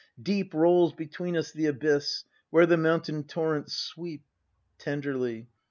Deep Rolls between us the abyss, Where the mountain torrents sweep! [Tenderly.